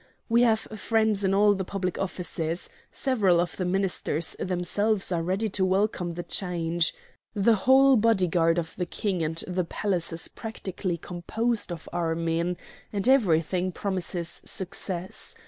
We have friends in all the public offices; several of the Ministers themselves are ready to welcome the change; the whole bodyguard of the King at the palace is practically composed of our men; and everything promises success.